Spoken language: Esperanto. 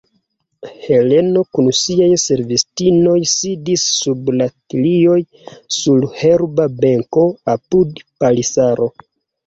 Heleno kun siaj servistinoj sidis sub la tilioj sur herba benko, apud palisaro.